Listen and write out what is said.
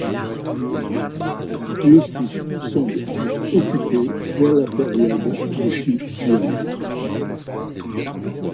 Le site semble être occupé dès la période des champs d'Urnes.